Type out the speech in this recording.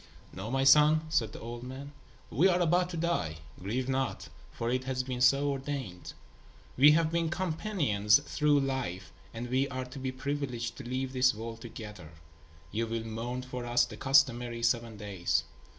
"Know, my son," said the old man, "we are about to die. Grieve not, for it has been so ordained. We have been companions through life, and we are to be privileged to leave this world together. You will mourn for us the customary seven days.